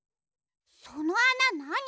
そのあななに？